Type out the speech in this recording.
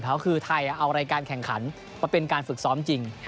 เขาคือไทยเอารายการแข่งขันมาเป็นการฝึกซ้อมจริง